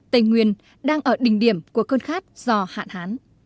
tây nguyên đang ở đỉnh điểm của cơn khát do hạn hán